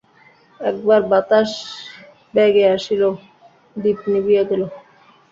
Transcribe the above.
একবার বাতাস বেগে আসিল– দীপ নিবিয়া গেল।